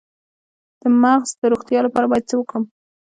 د مغز د روغتیا لپاره باید څه وکړم؟